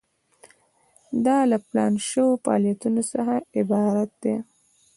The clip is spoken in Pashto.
دا له پلان شوو فعالیتونو څخه عبارت ده.